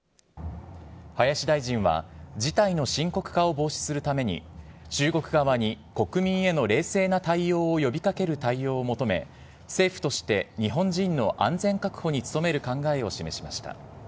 林大臣は、事態の深刻化を防止するために、中国側に国民への冷静な対応を呼びかける対応を求め、政府として日本人の安全確保に努める考えを示しました。